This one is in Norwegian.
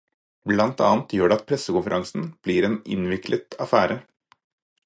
Blant annet gjør det at pressekonferanser blir en innviklet affære.